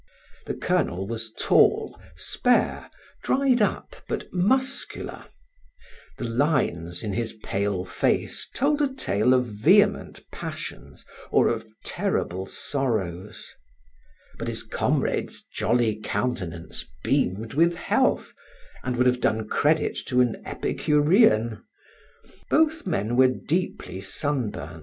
The Colonel was tall, spare, dried up, but muscular; the lines in his pale face told a tale of vehement passions or of terrible sorrows; but his comrade's jolly countenance beamed with health, and would have done credit to an Epicurean. Both men were deeply sunburnt.